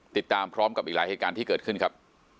ติดตามพร้อมกับอีกหลายเหตุการณ์ที่เกิดขึ้นครับ